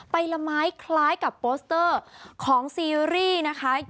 ใบละไม้คล้ายกับโปสเตอร์ของซีรีส์นะคะ